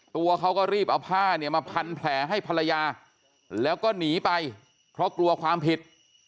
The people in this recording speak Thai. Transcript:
ตัวเขาก็รีบเอาผ้าเนี่ยมาพันแผลให้ภรรยาแล้วก็หนีไปเพราะกลัวความผิด